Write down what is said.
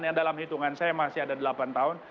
yang dalam hitungan saya masih ada delapan tahun